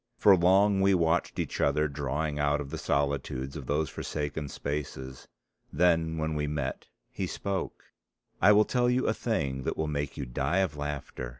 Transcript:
For long we watched each other drawing out of the solitudes of those forsaken spaces. Then when we met he spoke. "I will tell you a thing that will make you die of laughter.